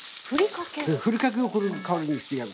ふりかけをこの代わりにしてやる。